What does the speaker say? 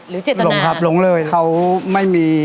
หรือจริงจนาคุณครับหลงเลยครับลงไหม